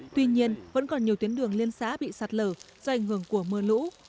tuy nhiên vẫn còn nhiều tuyến đường liên xã bị sạt lở do ảnh hưởng của mưa lũ